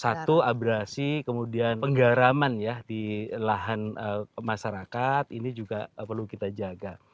satu abrasi kemudian penggaraman ya di lahan masyarakat ini juga perlu kita jaga